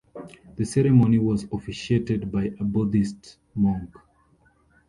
The ceremony was officiated by a Buddhist monk.